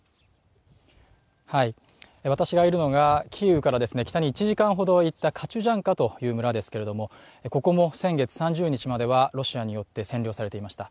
私がいるのがキーウから北に１時間ほど行ったカチュジャンカという村ですがここも先月３０日まではロシアによって占領されていました。